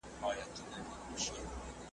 پړی یې پرې راایله کړ